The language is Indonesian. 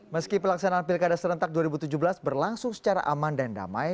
meski pelaksanaan pilkada serentak dua ribu tujuh belas berlangsung secara aman dan damai